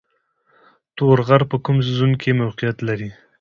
تور غر په کوم زون کې موقعیت لري؟